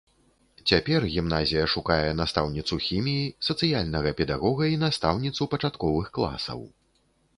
Цяпер гімназія шукае настаўніцу хіміі, сацыяльнага педагога і настаўніцу пачатковых класаў.